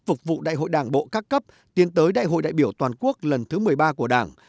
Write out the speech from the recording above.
phục vụ đại hội đảng bộ các cấp tiến tới đại hội đại biểu toàn quốc lần thứ một mươi ba của đảng